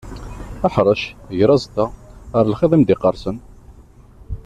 Ḥrec, ger aẓeṭṭa, err lxiḍ i am-d-iqqersen.